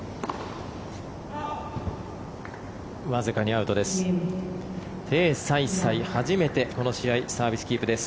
わずかにアウトです。